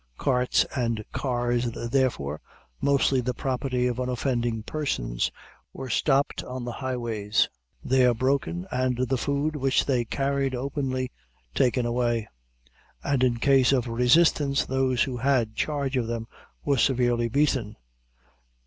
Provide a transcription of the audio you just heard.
Carts and cars, therefore, mostly the property of unoffending persons, were stopped on the highways, there broken, and the food which they carried openly taken away, and, in case of resistance, those who had charge of them were severely beaten.